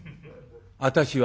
「私は？」。